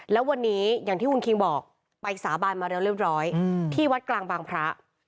อย่างที่อุลคิงบอกไปสาบานมาเร็วเร็วร้อยอืมที่วัดกลางบางพระ